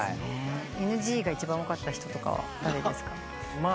ＮＧが一番多かった人は誰ですか？